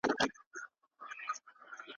د ښوونځي په کتابتون کي ډېر کتابونه مطالعه کېږي.